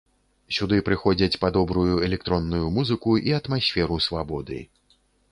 Сюды прыходзяць па добрую электронную музыку і атмасферу свабоды.